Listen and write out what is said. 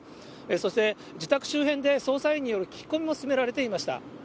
そして自宅周辺で捜査員による聞き込みも進められていました。